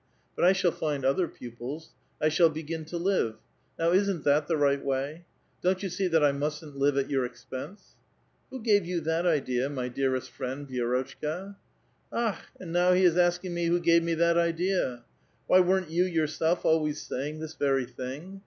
But I shall find other pupils. I shall begin to live. Now isn*t that the right way ? Don't you see that I mustn't live at your expense ?" "Who gave you that idea, my dearest friend, Vi6 rotchka ?"" Akh! and now he is asking me who gave me that idea. Why, weren't you yourself always saying this very thing?